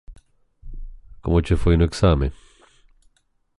Como che foi no exame?